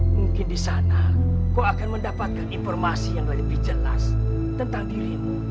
mungkin di sana kau akan mendapatkan informasi yang lebih jelas tentang dirimu